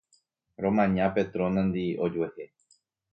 Romaña Petronandi ojuehe